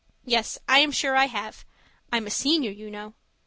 Yes, I am sure I have I'm a Senior, you know.